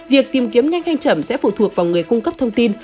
việc tìm kiếm nhanh hay chậm sẽ phụ thuộc vào người cung cấp thông tin